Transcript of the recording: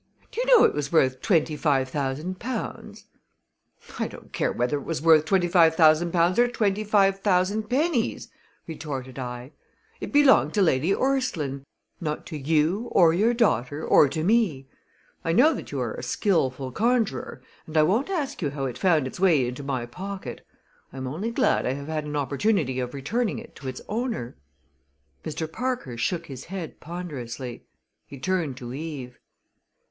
Do you know it was worth twenty five thousand pounds?" "I don't care whether it was worth twenty five thousand pounds or twenty five thousand pennies!" retorted I. "It belonged to Lady Orstline not to you or your daughter or to me. I know that you are a skillful conjurer and I won't ask you how it found its way into my pocket. I am only glad I have had an opportunity of returning it to its owner." Mr. Parker shook his head ponderously. He turned to Eve.